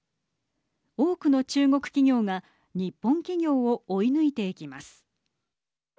多くの中国企業が日本企業を追い抜いていきます。